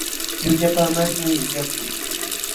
Llullapaamalmi illakun.